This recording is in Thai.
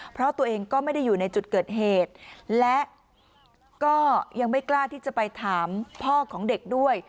เพราะตัวเองก็ไม่ได้อยู่ในจุดเกิดเหตุและก็ยังไม่กล้าที่จะไปถามพ่อของเด็กด้วย